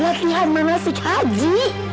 latihan menasih haji